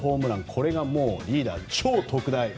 これがリーダー、超特大。